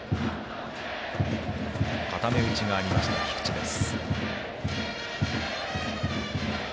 固め打ちがありました、菊池です。